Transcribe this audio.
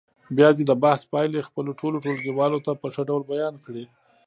بیا دې د بحث پایلې خپلو ټولو ټولګیوالو ته په ښه ډول بیان کړي.